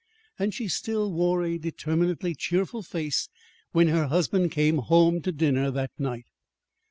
And she still wore a determinedly cheerful face when her husband came home to dinner that night.